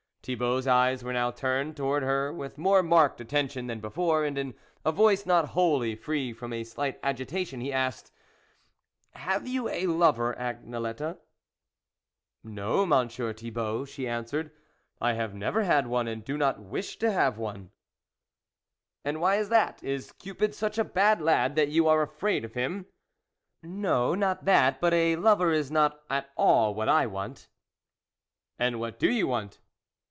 Thibault's eyes were now turned to wards her with more marked attention than before, and, in a voice, not wholly free from a slight agitation, he asked :" Have you a lover, Agnelette ?"" No, Monsieur Thibault," she answered, " I have never had one, and do not wish to have one." " And why is that ? Is Cupid such a bad lad that you are afraid of him ?"" No, not that, but a lover is not at all what I want." " And what do you want